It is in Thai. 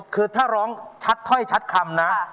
คือถ้าร้องแช็ดให้แช็ดคำนะ